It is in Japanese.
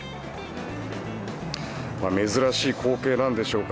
珍しい光景なんでしょうか。